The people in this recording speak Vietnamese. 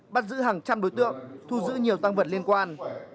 bắt giữ hàng trăm đối tượng thu giữ nhiều tăng vật liên quan